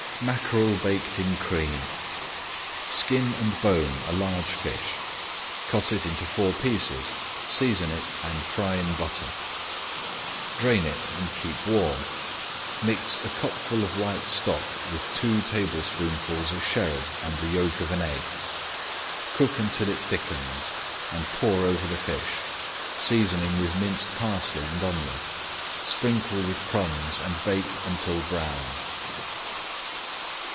MACKEREL BAKED IN CREAM Skin and bone a large fish. Cut it into four pieces, season it and fry in butter. Drain it and keep warm. Mix a cupful of white stock with two tablespoonfuls of Sherry and the yolk of an egg. Cook until it thickens, and pour over the fish, seasoning with minced parsley and onion. Sprinkle with crumbs and bake until brown.